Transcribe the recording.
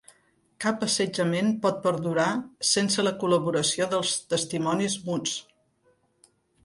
Cap assetjament pot perdurar sense la col·laboració dels 'testimonis muts'.